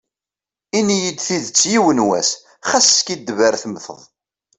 Ini-yi tidet yiwen was, ɣas skiddib ar temteḍ.